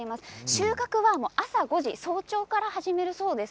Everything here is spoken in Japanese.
収穫は朝５時早朝から詰めるそうです。